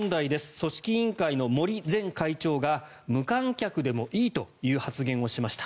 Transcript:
組織委員会の森前会長が無観客でもいいという発言をしました。